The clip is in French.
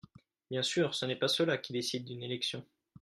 Bien sûr, ce n’est pas cela qui décide d’une élection.